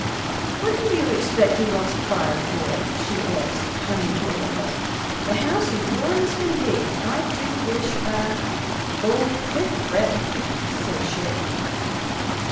"What do you expect he wants a fire for?" she asked, turning toward her husband. "The house is warm as can be, I do wish I " "Oh, quit frettin'!" said Sheridan.